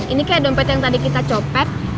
ini kayak dompet yang tadi kita copet